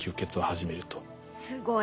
すごい。